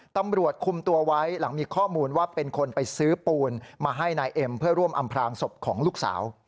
ตำรวจคุมตัวไว้หลังมีข้อมูลว่าเป็นคนไปซื้อปูนมาให้นายเอ็มเพื่อร่วมอำพลางศพของลูกสาว